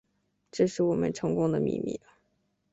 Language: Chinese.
这是我们成功的秘密